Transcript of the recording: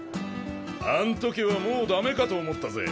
あんときはもうダメかと思ったぜ。